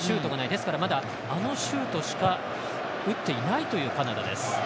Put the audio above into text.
ですから、まだあのシュートしか打っていないというカナダです。